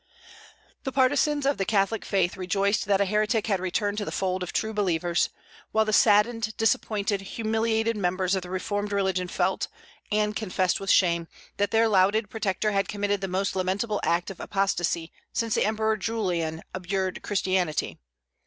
The partisans of the Catholic faith rejoiced that a heretic had returned to the fold of true believers; while the saddened, disappointed, humiliated members of the reformed religion felt, and confessed with shame, that their lauded protector had committed the most lamentable act of apostasy since the Emperor Julian abjured Christianity.